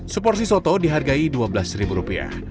seporsi soto dihargai dua belas rupiah